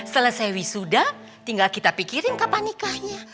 selesai wisuda tinggal kita pikirin kapan nikahnya